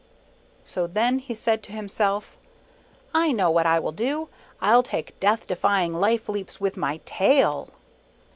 So then he said to himself, "I know what I will do; I'll take Death defy ing life leaps with my tail."